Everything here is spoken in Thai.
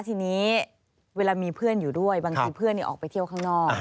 ทีนี้เวลามีเพื่อนอยู่ด้วยบางทีเพื่อนออกไปเที่ยวข้างนอก